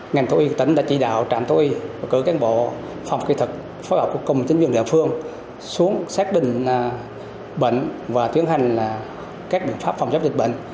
ngành thú y tỉnh đã chỉ đạo trạm thú y và cử cán bộ phòng kỹ thuật phối hợp cùng chính viên địa phương xuống xác định bệnh và tiến hành các biện pháp phòng chấp dịch bệnh